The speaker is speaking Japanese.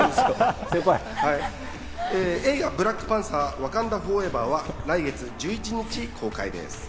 映画『ブラックパンサー／ワカンダ・フォーエバー』は、来月１１日公開です。